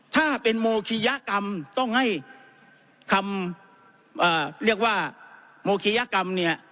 ถ้าเป็นโมคิยกรรมต้องให้คำเรียกว่าโมคิยกรรมเนี่ย